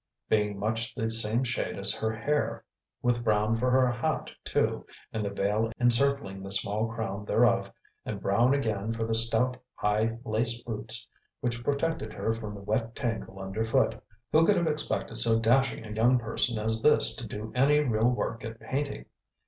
being much the same shade as her hair with brown for her hat too, and the veil encircling the small crown thereof, and brown again for the stout, high, laced boots which protected her from the wet tangle underfoot. Who could have expected so dashing a young person as this to do any real work at painting?